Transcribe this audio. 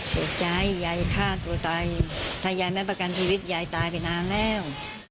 เสียใจยายฆ่าตัวตายถ้ายายไม่ประกันชีวิตยายตายไปนานแล้ว